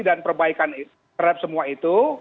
dan perbaikan terhadap semua itu